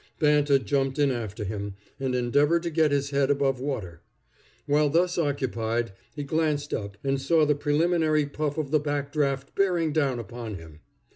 Banta jumped in after him, and endeavored to get his head above water. While thus occupied, he glanced up, and saw the preliminary puff of the back draft bearing down upon him.